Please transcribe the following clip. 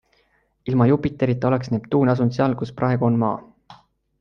Ilma Jupiterita oleks Neptuun asunud seal, kus praegu on Maa.